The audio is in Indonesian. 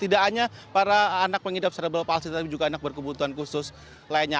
tidak hanya para anak pengidap cerebral palsi tapi juga anak berkebutuhan khusus lainnya